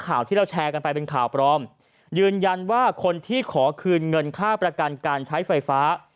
ข่าวที่เราแชร์กันไปเป็นข่าวปลอมยืนยันว่าคนที่ขอคืนเงินค่าประกันการใช้ไฟฟ้า